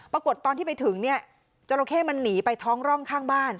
ปรากฏตอนที่ไปถึงเนี่ยจราเข้มันหนีไปท้องร่องข้างบ้าน